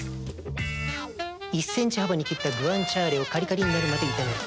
１センチ幅に切ったグアンチャーレをカリカリになるまで炒める。